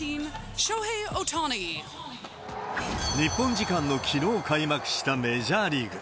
日本時間のきのう開幕したメジャーリーグ。